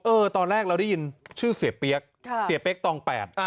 ตอนแรกเราได้ยินชื่อเสียเปี๊ยกเสียเปี๊กตองแปด